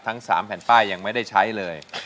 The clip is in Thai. ทั้ง๓แผ่นป้ายยังไม่ได้ใช้เลย